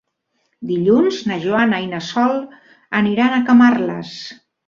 Dilluns na Joana i na Sol aniran a Camarles.